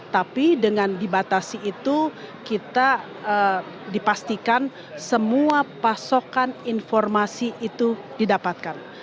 tapi dengan dibatasi itu kita dipastikan semua pasokan informasi itu didapatkan